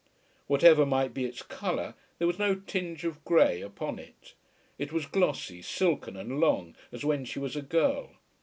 Whatever might be its colour there was no tinge of grey upon it. It was glossy, silken, and long as when she was a girl.